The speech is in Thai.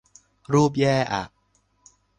รูปแย่อ่ะ